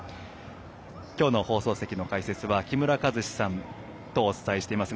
今日の放送席の解説は木村和司さんとお伝えしています。